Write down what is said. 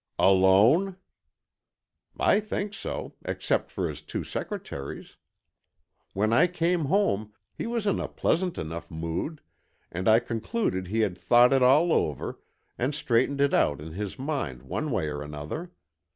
"Alone?" "I think so, except for his two secretaries. When I came home, he was in a pleasant enough mood, and I concluded he had thought it all over and straightened it out in his mind one way or another.